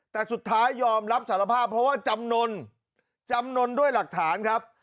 แต่สุดท้ายยอมรับสารภาพเพราะว่าจำนวนจำนวนด้วยหลักฐานครับ